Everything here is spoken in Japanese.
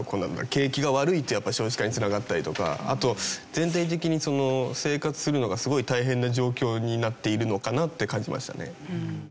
景気が悪いとやっぱ少子化に繋がったりとかあと全体的に生活するのがすごい大変な状況になっているのかなって感じましたね。